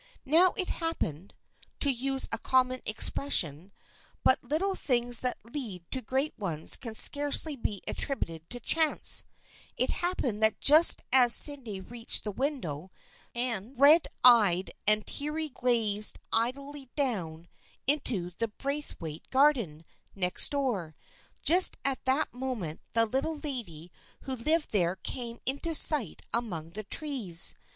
THE FRIENDSHIP OF ANNE 171 Now it happened — to use a common expression, but little things that lead to great ones can scarcely be attributed to chance — it happened that just as Sydney reached the window, and red eyed and teary gazed idly down into the Braithwaite garden next door, just at that moment the little lady who lived there came into sight among the trees.